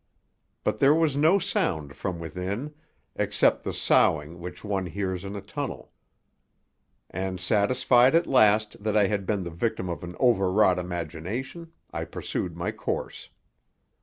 But there was no sound from within, except the soughing which one hears in a tunnel; and satisfied at last that I had been the victim of an over wrought imagination, I pursued my course.